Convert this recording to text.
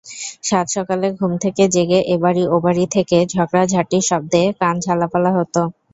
সাতসকালে ঘুম থেকে জেগে এবাড়ি–ওবাড়ি থেকে ঝগড়াঝাঁটির শব্দে কান ঝালাপালা হতো।